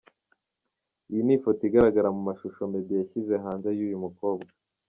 Iyi ni ifoto igaragara mu mashusho Meddy yashyize hanze y’uyu mukobwa.